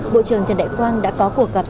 bộ trưởng trần đại quang đã có cuộc gặp